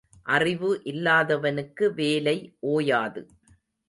அறிவு இல்லாதவனுக்கு வேலை ஓயாது.